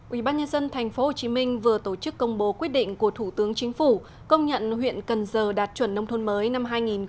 ubnd tp hcm vừa tổ chức công bố quyết định của thủ tướng chính phủ công nhận huyện cần giờ đạt chuẩn nông thôn mới năm hai nghìn một mươi chín